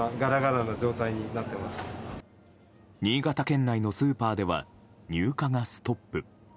新潟県内のスーパーでは入荷がストップ。